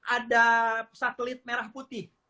ada satelit merah putih